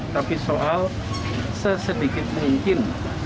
tapi soal sesedikit mungkin